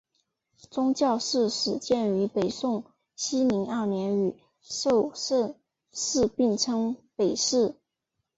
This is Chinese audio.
崇教寺始建于北宋熙宁二年与寿圣寺并称北寺。